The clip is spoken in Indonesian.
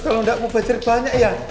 kalau gak mau bacer banyak ya